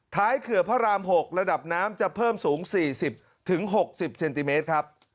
เขื่อนพระราม๖ระดับน้ำจะเพิ่มสูง๔๐๖๐เซนติเมตรครับ